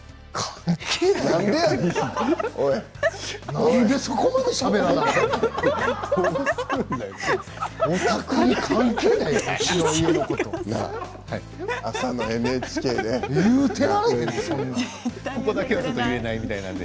なんでそこまでしゃべらなあかんの。